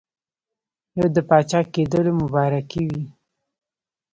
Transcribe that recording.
یو د پاچاکېدلو مبارکي وي.